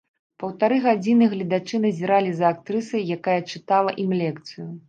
Паўтары гадзіны гледачы назіралі за актрысай, якая чытала ім лекцыю.